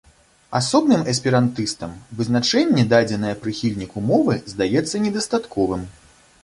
Асобным эсперантыстам вызначэнне дадзенае прыхільніку мовы здаецца недастатковым.